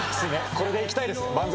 これでいきたいですね。